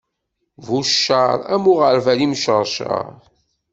Bu cceṛ am uɣerbal imceṛceṛ.